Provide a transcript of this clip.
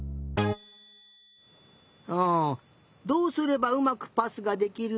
どうすればうまくパスができるのかな？